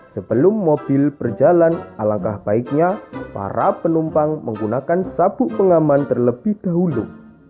sebelum mobil berjalan alangkah baiknya para penumpang menggunakan sabuk pengaman terlebih dahulu